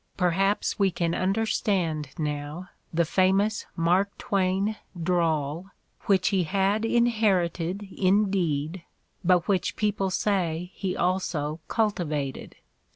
Perhaps we can understand now the famous Mark Twain "drawl," which he had inherited indeed, but which people say he also cultivated.